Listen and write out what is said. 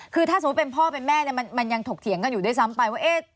คือถ้าสมมุติเป็นพ่อเป็นแม่เนี่ยมันยังถกเถียงกันอยู่ด้วยซ้ำไปว่า